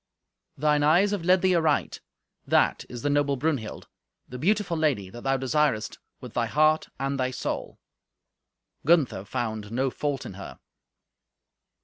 "Thine eyes have led thee aright. That is the noble Brunhild, the beautiful lady that thou desirest with thy heart and thy soul." Gunther found no fault in her.